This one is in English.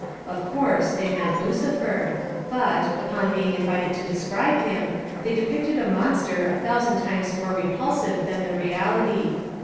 Of course they meant Lticifer, but, upon being Invited to describe him, they depicted a monster a thousand times more repulsive than the reality.